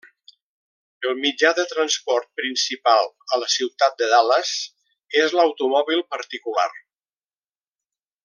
El mitjà de transport principal a la Ciutat de Dallas és l'automòbil particular.